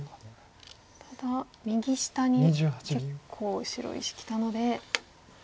ただ右下に結構白石きたので。